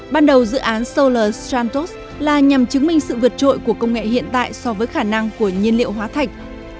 ban đầu dự án solar strantos là nhằm chứng minh sự vượt trội của công nghệ hiện tại so với khả năng của nhiên liệu hóa thạch